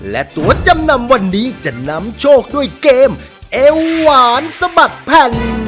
และตัวจำนำวันนี้จะนำโชคด้วยเกมเอวหวานสะบัดแผ่น